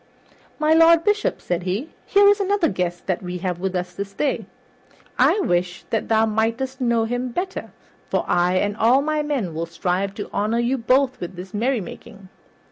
"My Lord Bishop," said he, "here is another guest that we have with us this day. I wish that thou mightest know him better, for I and all my men will strive to honor you both at this merrymaking."